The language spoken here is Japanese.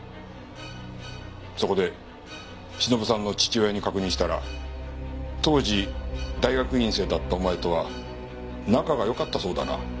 そこで忍さんの父親に確認したら当時大学院生だったお前とは仲がよかったそうだな。